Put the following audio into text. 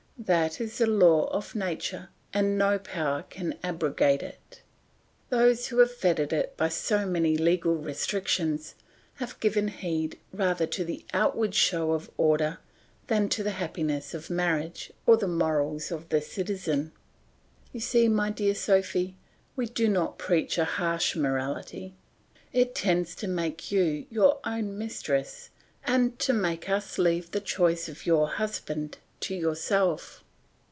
That is the law of nature, and no power can abrogate it; those who have fettered it by so many legal restrictions have given heed rather to the outward show of order than to the happiness of marriage or the morals of the citizen. You see, my dear Sophy, we do not preach a harsh morality. It tends to make you your own mistress and to make us leave the choice of your husband to yourself.